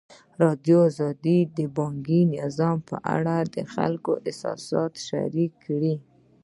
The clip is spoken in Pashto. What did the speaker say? ازادي راډیو د بانکي نظام په اړه د خلکو احساسات شریک کړي.